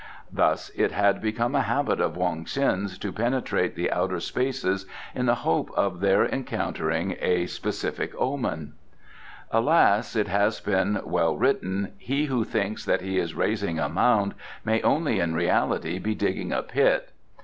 Thus it had become a habit of Wong Ts'in's to penetrate the Outer Spaces in the hope of there encountering a specific omen. Alas, it has been well written: "He who thinks that he is raising a mound may only in reality be digging a pit."